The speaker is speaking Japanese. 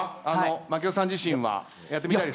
槙尾さん自身はやってみたい？